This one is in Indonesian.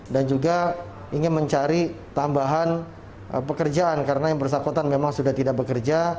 dan juga ingin mencari tambahan pekerjaan karena yang bersangkutan memang sudah tidak bekerja